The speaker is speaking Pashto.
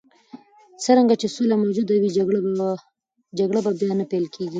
څرنګه چې سوله موجوده وي، جګړې به بیا نه پیل کېږي.